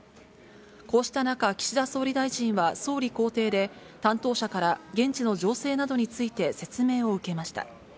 こうした中、岸田総理大臣は総理公邸で、担当者から現地の情勢などについて説明を受けました。